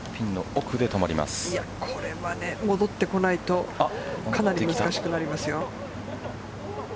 これは戻ってこないとかなり難しくなりますよ。